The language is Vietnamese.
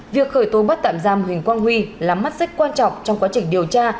việc khởi tố bắt tạm giam huỳnh quang huy là mắt xích quan trọng trong quá trình điều tra